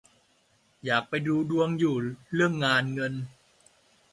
อยากไปดูดวงอยู่ เรื่องงาน เงิน